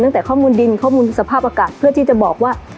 จากข้อมูลดินข้อมูลสภาพอากาศเพื่อที่จะบอกว่า